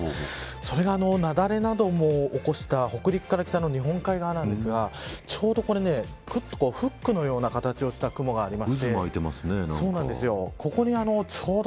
それが雪崩なども起こした北陸から北の日本海側なんですがちょうどフックのような形をした雲があります。